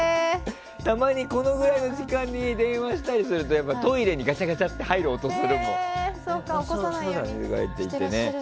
たまにこのぐらいの時間に電話したりするとトイレにガシャガシャって入る音がするもん。